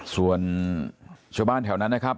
ส่วนชาวบ้านแถวนั้นนะครับ